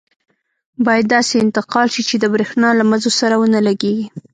باید داسې انتقال شي چې د بریښنا له مزو سره ونه لګېږي.